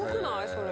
それ。